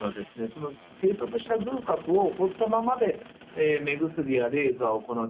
その閉塞した隅角を放ったままで目薬やレーザーを行ってもですね